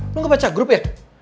lo gak baca grup ya